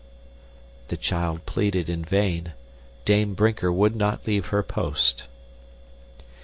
The child pleaded in vain. Dame Brinker would not leave her post.